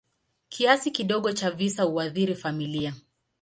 Kiasi kidogo cha visa huathiri familia.